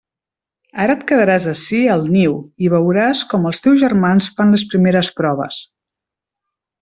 Ara et quedaràs ací al niu i veuràs com els teus germans fan les primeres proves.